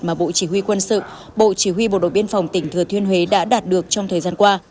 mà bộ chỉ huy quân sự bộ chỉ huy bộ đội biên phòng tỉnh thừa thiên huế đã đạt được trong thời gian qua